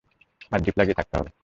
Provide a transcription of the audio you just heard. আর zip লাগিয়ে থাকতে হবে।